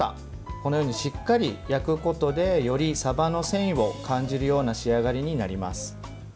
このようにしっかり焼くことでより、さばの繊維を感じるような仕上がりになります。